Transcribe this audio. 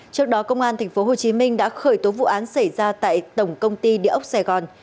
trước đó công an tp hcm đã khởi tố vụ án xảy ra tại tổng công ty địa ốc sài gòn